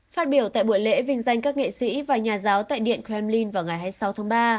phát biểu tại buổi lễ vinh danh các nghệ sĩ và nhà giáo tại điện kremlin vào ngày hai mươi sáu tháng ba